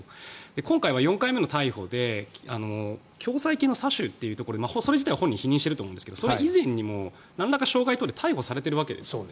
今回は４回目の逮捕で共済金の詐取というところでそれ自体は本人否認していると思うんですがそれ以前になんらか傷害などで逮捕されているわけですね。